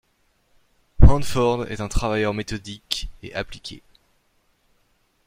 Handford est un travailleur méthodique et appliqué.